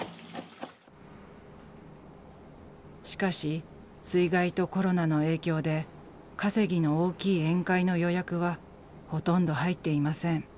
しかし水害とコロナの影響で稼ぎの大きい宴会の予約はほとんど入っていません。